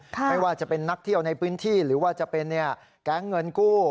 ไม่ว่าจะเป็นนักเที่ยวในพื้นที่หรือว่าจะเป็นแก๊งเงินกู้